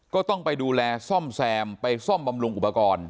ก็ต้องไปดูแลซ่อมแซมไปซ่อมบำรุงอุปกรณ์